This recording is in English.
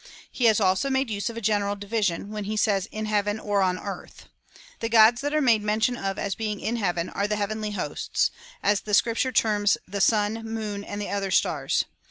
He has also made use of a general division, when he says in heaven or on earth. The gods that are made mention of as being in heaven, are the heavenly hosts, as the Scripture terms the sun, moon, and the other stars.